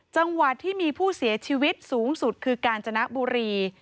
จังหวัดที่มีผู้เสียชีวิตสูงสุดคือกาญจนบุรี